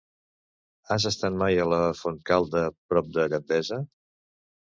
Has estat mai a la Fontcalda, prop de Gandesa?